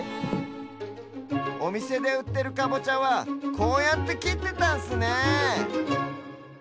おみせでうってるかぼちゃはこうやってきってたんすねえ